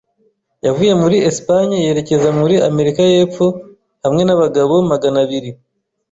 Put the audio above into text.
Yavuye muri Espagne yerekeza muri Amerika yepfo hamwe nabagabo Magana abiri